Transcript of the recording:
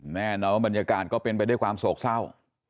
แน่นอนว่าบรรยากาศก็เป็นไปด้วยความโศกเศร้า